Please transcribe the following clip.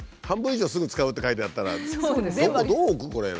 半分以上「すぐ使う」って書いてあったらどこ？